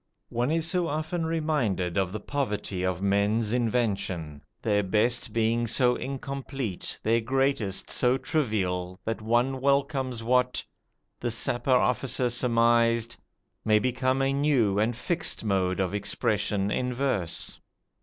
One is so often reminded of the poverty of men's invention, their best being so incomplete, their greatest so trivial, that one welcomes what this Sapper officer surmised may become a new and fixed mode of expression in verse.